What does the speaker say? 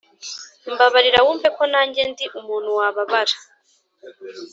mbabarira wumve ko nanjye ndi umuntu wababara